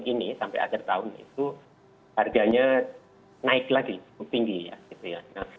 ini sampai akhir tahun itu harganya naik lagi cukup tinggi ya gitu ya